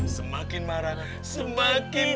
semakin marah semakin